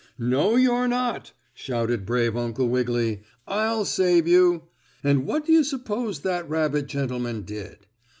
"No, you're not!" shouted brave Uncle Wiggily. "I'll save you!" And what do you s'pose that rabbit gentleman did?